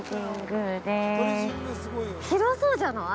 ◆広そうじゃない？